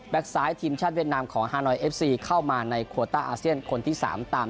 แบ็กซายทีมชาติเวียดนาม